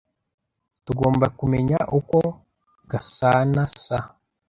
Tugomba kumenya uko Gasanaasa.